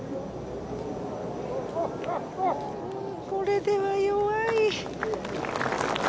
これでは弱い。